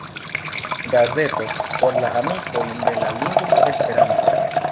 Gazeto por la amikoj de la lingvo Esperanto.